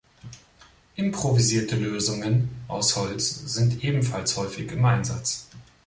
Improvisierte Lösungen aus Holz sind ebenfalls häufig im Einsatz.